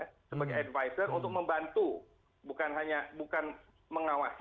sebagai advisor untuk membantu bukan hanya bukan mengawasi